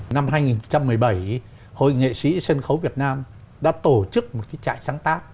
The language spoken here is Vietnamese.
năm hai nghìn một mươi bảy hội nghệ sĩ sân khấu việt nam đã tổ chức một trại sáng tác